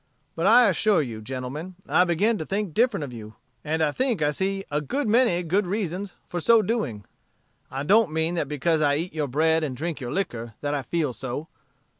But I assure you, gentlemen, I begin to think different of you, and I think I see a good many good reasons for so doing. "I don't mean that because I eat your bread and drink your liquor, that I feel so.